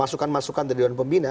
ada yang masukkan dari dewan pembina